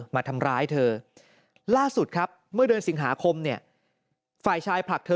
มาทำร้ายเธอล่าสุดครับเมื่อเดือนสิงหาคมเนี่ยฝ่ายชายผลักเธอ